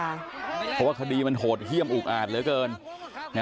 เพราะว่าคดีมันโหดเยี่ยมอุกอาจเหลือเกิน